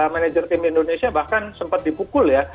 manager tim indonesia bahkan sempat dipukul ya